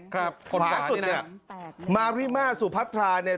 ข้อนี้นะขวาสุดเนี่ยมาริมาสุพัทธาเนี่ย